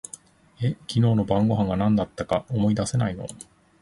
え、昨日の晩御飯が何だったか思い出せないの？